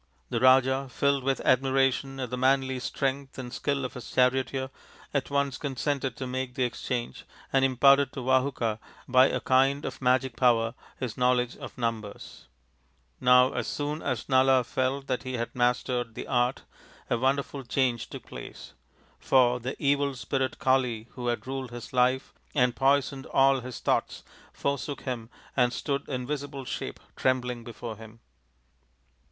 The Raja, filled with admiration at the manly strength and skill of his charioteer, at once consented to make the exchange and imparted to Vahuka by a kind of magic power his knowledge of numbers. Now as soon as Nala felt that he had mastered the NALA THE GAMESTER 141 art a wonderful change took place ; for the evil spirit Kali who had ruled his life and poisoned all his thoughts forsook him and stood in visible shape trembling before him.